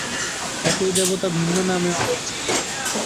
একই দেবতা ভিন্ন নামেও পরিচিত।